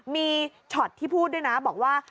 มีช็อตที่พูดด้วยนะบอกว่า